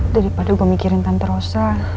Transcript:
daripada gue mikirin tanpa rosa